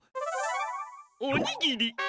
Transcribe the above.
おにぎり！